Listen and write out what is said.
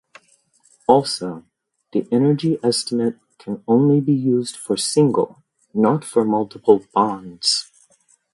Also, the energy estimate can be only used for single, not for multiple bonds.